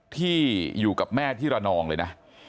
ที่อยู่กับแม่ที่ระนองเลยนะ